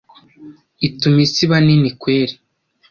ituma isi iba nini kweli